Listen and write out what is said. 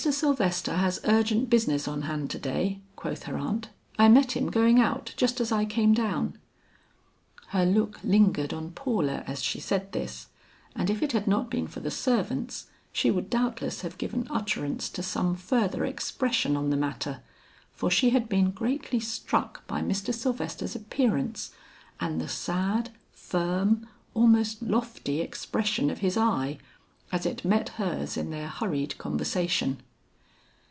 Sylvester has urgent business on hand to day," quoth her aunt. "I met him going out just as I came down." Her look lingered on Paula as she said this, and if it had not been for the servants, she would doubtless have given utterance to some further expression on the matter, for she had been greatly struck by Mr. Sylvester's appearance and the sad, firm, almost lofty expression of his eye, as it met hers in their hurried conversation.